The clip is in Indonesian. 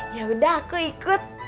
yaudah aku ikut